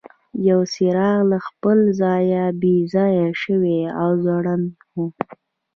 یو څراغ له خپل ځایه بې ځایه شوی او ځوړند و.